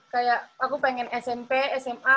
kayak aku pengen smp sma